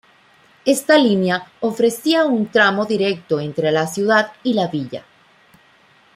Esta línea ofrecía un tramo directo entre la ciudad y la villa.